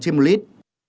trên một lít